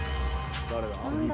誰だ？